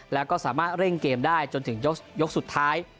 แล้วก็สามารถเร่งเกมได้จนถึงยกสุดท้าย